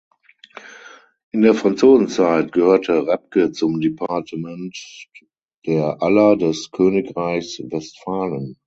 In der Franzosenzeit gehörte Repke zum Departement der Aller des Königreichs Westphalen.